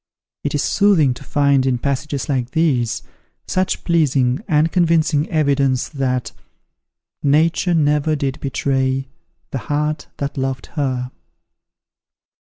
It is soothing to find, in passages like these, such pleasing and convincing evidence that "Nature never did betray, The heart that loved her."